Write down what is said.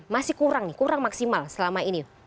masih kurang nih kurang maksimal selama ini